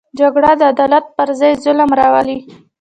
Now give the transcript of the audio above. جګړه د عدالت پر ځای ظلم راولي